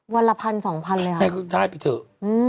วันละพันสองพันเลยหรือเปล่าได้ไปเถอะ